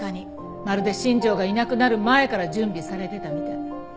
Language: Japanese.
まるで新庄がいなくなる前から準備されてたみたい。